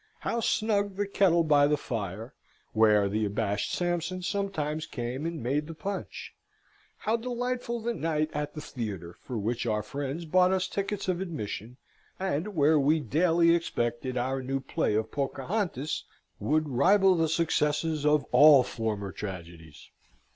How snug the kettle by the fire (where the abashed Sampson sometimes came and made the punch); how delightful the night at the theatre, for which our friends brought us tickets of admission, and where we daily expected our new play of Pocahontas would rival the successes of all former tragedies.